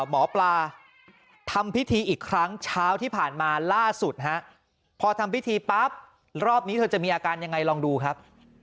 หมอปลาทำพิธีอีกครั้งเช้าที่ผ่านมาล่าสุดฮะพอทำพิธีปั๊บรอบนี้เธอจะมีอาการยังไงลองดูครับ